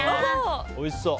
おいしそう！